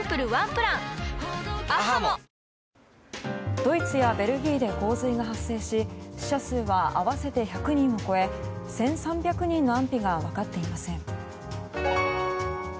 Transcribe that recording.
ドイツやベルギーで洪水が発生し死者数は合わせて１００人を超え１３００人の安否が分かっていません。